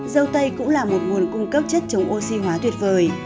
dâu tây cũng là một nguồn cung cấp chất chống oxy hóa tuyệt vời